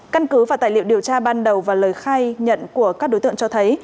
căn cứ và tài liệu điều tra ban đầu và lời khai nhận của các đối tượng cho thấy